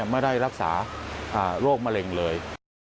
ไม่ได้รักษาโรคมะเร็งเลย